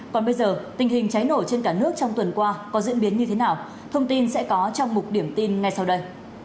còn bây giờ tình hình cháy nổ trên cả nước trong tuần qua có diễn biến như thế nào thông tin sẽ có trong một điểm tin ngay sau đây